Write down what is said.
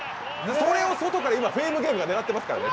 それを外から今、フェームゲームが狙ってますからね。